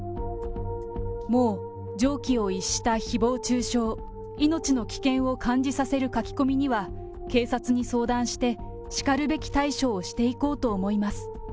もう常軌を逸したひぼう中傷、命の危険を感じさせる書き込みには、警察に相談して、しかるべき対処をしていこうと思います。